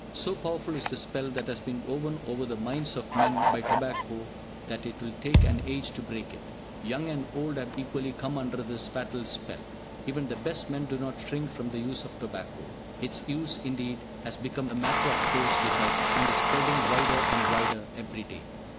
So powerful is the spell that has been woven over the minds of men by tobacco that it will take an age to break it. Young and old have equally come under this fatal spell. Even the best men do not shrink from the use of tobacco. Its use, indeed, has become a matter of course with us, and is spreading wider and wider every day.